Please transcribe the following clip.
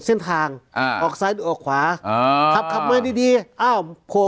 เส้นทางอ่าออกซ้ายหรือออกขวาอ่าขับขับมาดีดีอ้าวโผล่